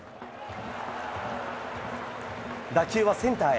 打球はセンターへ。